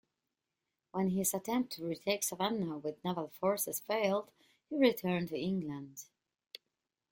When his attempt to retake Savannah with naval forces failed, he returned to England.